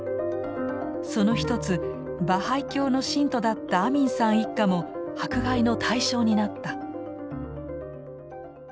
その一つバハイ教の信徒だったアミンさん一家も迫害の対象になった。